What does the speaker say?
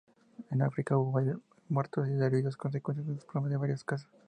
En Arica hubo varios muertos y heridos a consecuencia del desplome de varias casas.